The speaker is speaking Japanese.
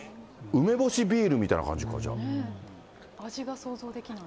梅干しビールみたいな感じか、味が想像できない。